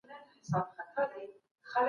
ټولنپوهنه د ټولنیز ژوند ټول اړخونه مطالعه کوي.